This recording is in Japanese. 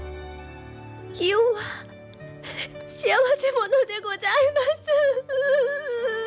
妓王は幸せ者でございます。